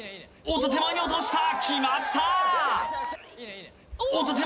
おっと手前に落とした決まった！